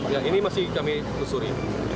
yang ini masih kami lusuri